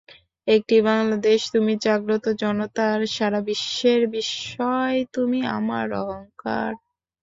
একটি বাংলাদেশ তুমি জাগ্রত জনতার, সারা বিশ্বের বিস্ময় তুমি আমার অহংকার।